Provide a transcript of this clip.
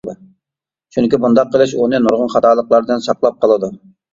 چۈنكى بۇنداق قىلىش ئۇنى نۇرغۇن خاتالىقلاردىن ساقلاپ قالىدۇ.